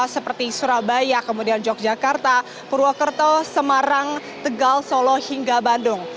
seperti surabaya kemudian yogyakarta purwokerto semarang tegal solo hingga bandung